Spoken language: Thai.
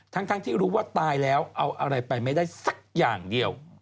ทั้งที่รู้ว่าตายแล้วเอาอะไรไปไม่ได้สักอย่างเดียว